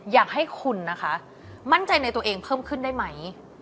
อยากให้คุณนะคะมั่นใจในตัวเองเพิ่มขึ้นได้ไหม